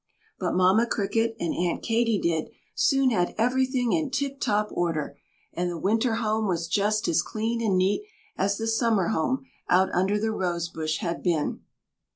But Mamma Cricket and Aunt Katy Didd soon had everything in tip top order, and the winter home was just as clean and neat as the summer home out under the rose bush had been.